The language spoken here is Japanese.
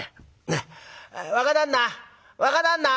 若旦那若旦那！」。